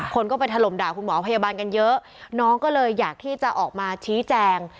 คนก็ไปถล่มด่าคุณหมอพยาบาลกันเยอะน้องก็เลยอยากที่จะออกมาชี้แจง